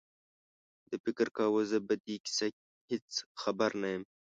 ده فکر کاوه زه په دې کیسه هېڅ خبر نه یم.